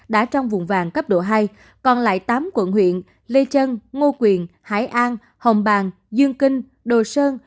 đã trong vùng vàng cấp độ hai còn lại tám quận huyện lê trân ngô quyền hải an hồng bàng dương kinh đồ sơn